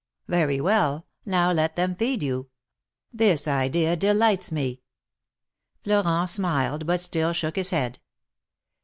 Very well; now let them feed you. This idea delights me." Florent smiled, but still shook his head.